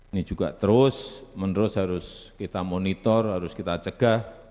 ini juga terus menerus harus kita monitor harus kita cegah